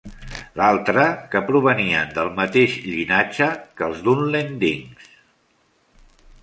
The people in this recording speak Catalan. L'altre, que provenien del mateix llinatge que els Dunlendings.